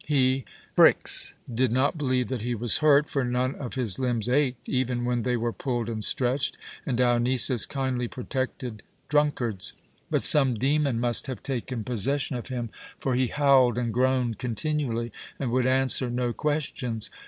He, Phryx, did not believe that he was hurt, for none of his limbs ached, even when they were pulled and stretched, and Dionysus kindly protected drunkards; but some demon must have taken possession of him, for he howled and groaned continually, and would answer no questions.